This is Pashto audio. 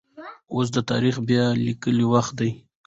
اوس د تاريخ بيا ليکلو وخت دی.